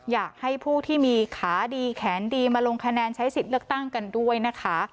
อยากให้ผู้ที่มีขาดีแขนดีมาลงคะแนนใช้สิทธิ์เลือกตั้งกันด้วยนะคะ